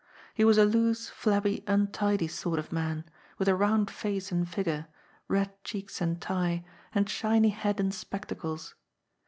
He was a loose, flabby, untidy sort of man, with a round face and figure, red cheeks and tie, and shiny head and spectacles.